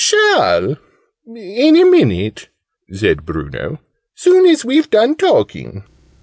"Shall, in a minute," said Bruno: "soon as we've done talking.